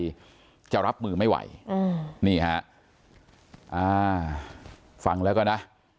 ใครจะรับมือไม่ไหวนี่ฮะฟังแล้วก่อนนะ